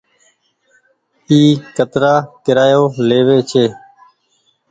اي ڪترآ ڪيرآيو ليوي ڇي۔